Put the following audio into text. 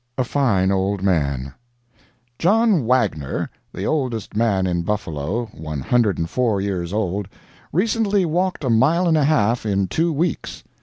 A FINE OLD MAN John Wagner, the oldest man in Buffalo one hundred and four years old recently walked a mile and a half in two weeks.